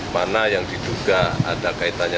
mana yang diduga ada kaitannya